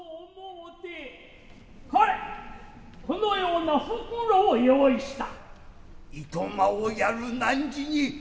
ほれこのような袋を用意した。